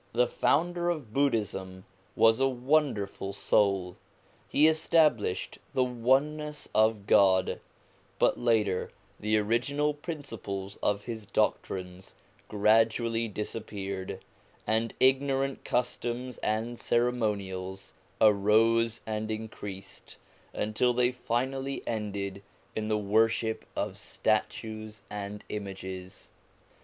The founder of Buddhism was a wonderful soul. He established the Oneness of God, but later the original principles of his doctrines gradually dis appeared, and ignorant customs and ceremonials arose and increased, until they finally ended hi the worship of statues and images.